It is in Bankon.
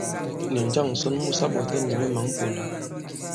Nì njâŋ ǹsɔn mu sa ɓɔ̀ta nì nyɛ mǎn ponda?